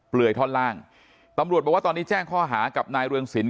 เลื่อยท่อนล่างตำรวจบอกว่าตอนนี้แจ้งข้อหากับนายเรืองศิลป